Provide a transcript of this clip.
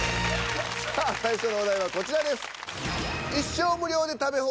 さあ最初のお題はこちらです。